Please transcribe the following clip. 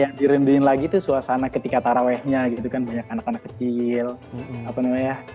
yang dirinduin lagi tuh suasana ketika tarawehnya gitu kan banyak anak anak kecil apa namanya